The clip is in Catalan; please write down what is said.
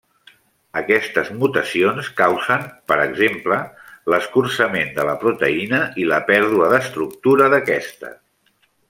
Aquestes mutacions causen, per exemple, l'escurçament de la proteïna i la pèrdua d'estructura d'aquesta.